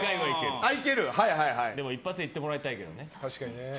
でも一発でいってもらいたいですけどね。